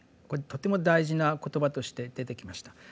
これとても大事な言葉として出てきました。